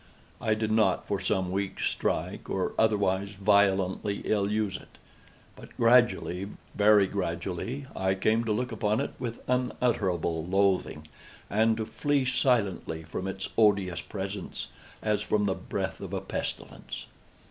I did not, for some weeks, strike, or otherwise violently ill use it; but gradually—very gradually—I came to look upon it with unutterable loathing, and to flee silently from its odious presence, as from the breath of a pestilence.